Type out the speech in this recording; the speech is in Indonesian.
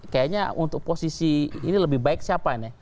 kayaknya untuk posisi ini lebih baik siapa ini